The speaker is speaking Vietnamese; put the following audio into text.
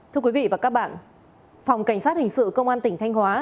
thưa quý vị và các bạn phòng cảnh sát hình sự công an tỉnh thanh hóa